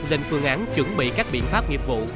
lên phương án chuẩn bị các biện pháp nghiệp vụ